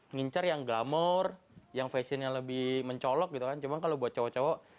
ngincar yang glamor yang fashion yang lebih mencolok gitu kan cuma kalau buat cowok cowok